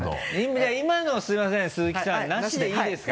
じゃあ今のすみません鈴木さんなしでいいですか？